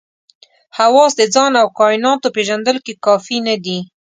حواس د ځان او کایناتو پېژندلو کې کافي نه دي.